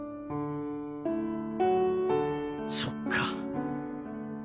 そっか。